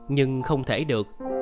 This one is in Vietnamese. nhưng không thể được